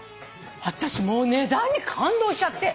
あたしもう値段に感動しちゃって。